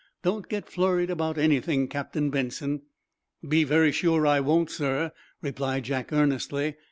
"Don't get flurried about anything, Captain Benson." "Be very sure I won't, sir," replied Jack, earnestly.